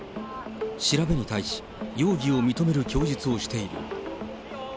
調べに対し、容疑を認める供述をしている。